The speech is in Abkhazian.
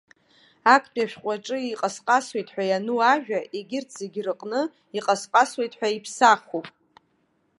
Актәи ашәҟәы аҿы иҟас-ҟасуеит ҳәа иану ажәа, егьырҭ зегьы рыҟны иҟасҟасуеит ҳәа иԥсахуп.